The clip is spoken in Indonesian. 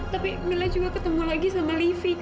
tapi mila juga ketemu lagi sama livi